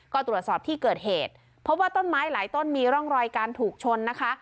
ก็ตรวจสอบที่เกิดเหตุพบว่าต้นไม้หลายต้นมีร่องรอยการถูกชนนะคะ